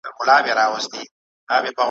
افريدی دی که مومند دی ,